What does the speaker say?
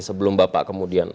sebelum bapak kemudian